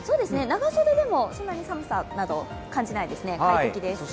長袖でもそんなに寒さなど、感じないですね、快適です。